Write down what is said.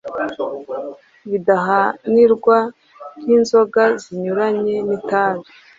bidahanirwa nk’inzoga zinyuranye n’itabi,